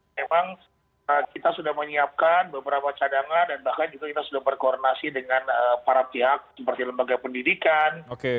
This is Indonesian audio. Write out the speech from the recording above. memang kita sudah menyiapkan beberapa cadangan dan bahkan juga kita sudah berkoordinasi dengan para pihak seperti lembaga pendidikan